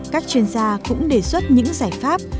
các chuyên gia cũng đề xuất những giải pháp